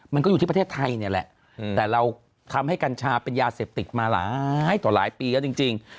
มันก็อยู่ที่ประเทศไทยเนี่ยแหละแต่เราทำให้กัญชาเป็นยาเสพติดมาหลายต่อหลายปีแล้วจริง